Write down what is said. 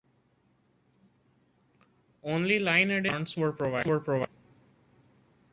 Only line editing commands were provided.